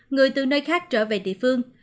người từ nơi khác trở về địa phương